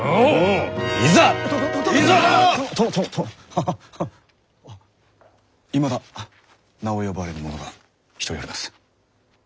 ハハハいまだ名を呼ばれぬ者が一人おります。